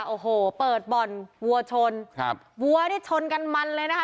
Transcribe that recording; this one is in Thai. โอ้โหเปิดบ่อนวัวชนครับวัวได้ชนกันมันเลยนะคะ